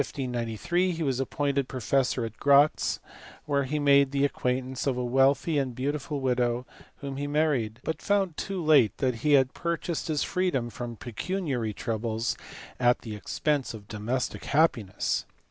He was educated under Maestlin at Tubingen; in 1593 he was appointed professor at Gratz, where he made the acquaintance of a wealthy and beautiful widow whom he married, but found too late that he had purchased his freedom from pecuniary troubles at the expense of domestic happiness.